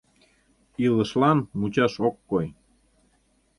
Илышлан мучаш ок кой.